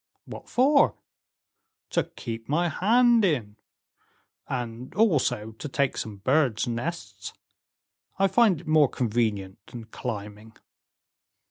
"What for?" "To keep my hand in, and also to take some birds' nests; I find it more convenient than climbing."